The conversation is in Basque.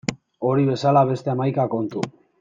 Hori bezala beste hamaika kontu.